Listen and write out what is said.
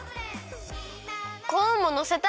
コーンものせたい！